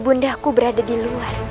bunda aku berada di luar